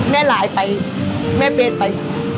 แม่ลายไปแม่เป็ดไป